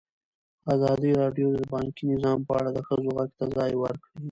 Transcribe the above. ازادي راډیو د بانکي نظام په اړه د ښځو غږ ته ځای ورکړی.